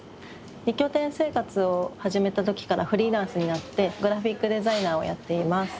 二拠点生活を始めた時からフリーランスになってグラフィックデザイナーをやっています。